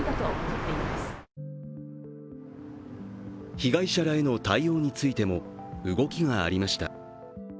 被害者らへの対応についても動きがありました。